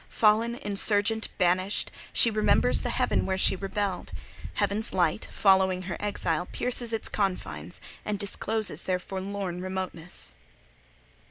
Fallen, insurgent, banished, she remembers the heaven where she rebelled. Heaven's light, following her exile, pierces its confines, and discloses their forlorn remoteness.